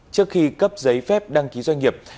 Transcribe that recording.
trước khi cấp giấy phép đăng ký doanh nghiệp